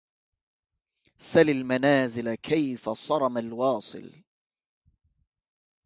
سل المنازل كيف صرم الواصل